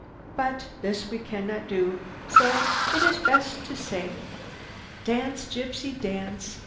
But this we cannot do, so it is best to sing. "'Dance, gypsy, dance.